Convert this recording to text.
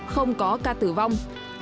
không có ca tử vong